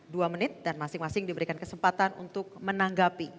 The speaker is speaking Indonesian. dua menit dan masing masing diberikan kesempatan untuk menanggapi